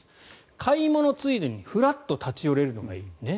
買い物ついでにふらっと立ち寄れるのがいい。